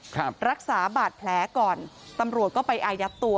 ครับรักษาบาดแผลก่อนตำรวจก็ไปอายัดตัว